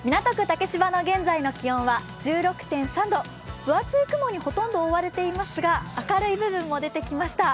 竹芝の現在の気温は１６．３度、分厚い雲にほとんど覆われていますが明るい部分も出てきました。